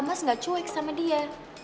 mas gak cuek sama dia